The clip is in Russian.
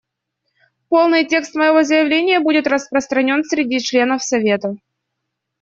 Полный текст моего заявления будет распространен среди членов Совета.